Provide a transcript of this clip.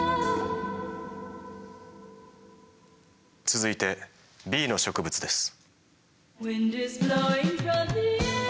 続いてＢの植物です。